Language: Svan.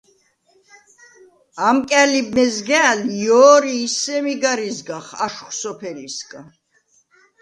ამკა̈ლიბ მეზგა̄̈ლ ჲო̄რი ი სემი გარ იზგახ აშხვ სოფელისგა.